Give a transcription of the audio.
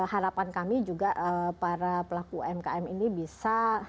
harapan kami juga para pelaku umkm ini bisa